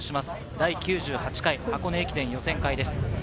第９８回箱根駅伝予選会です。